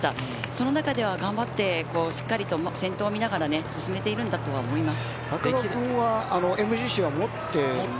その中では頑張って先頭を見ながら進めていると思います。